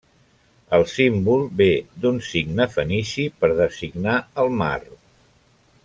El símbol ve d'un signe fenici per designar el mar.